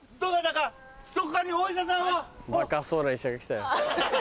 バカそうな医者が来たよ。